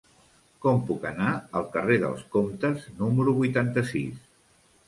Com puc anar al carrer dels Comtes número vuitanta-sis?